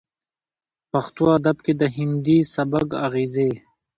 پښتو ادب کې د هندي سبک اغېزې